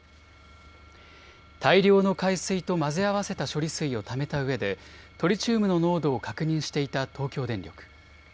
大量の海水と混ぜ合わせた処理水をためたうえでトリチウムの濃度を確認していた東京電力。